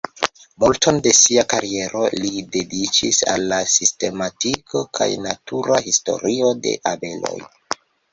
Multon de sia kariero li dediĉis al la sistematiko kaj natura historio de abeloj.